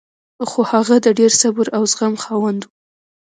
خو هغه د ډېر صبر او زغم خاوند و